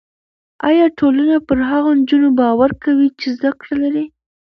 ایا ټولنه پر هغو نجونو باور کوي چې زده کړه لري؟